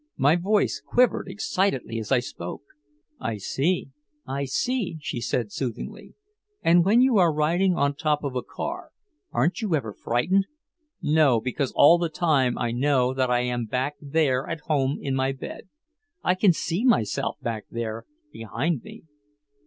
My voice quivered excitedly as I spoke. "I see I see," she said soothingly. "And when you are riding on top of a car aren't you ever frightened?" "No because all the time I know that I am back there at home in my bed. I can see myself back there behind me."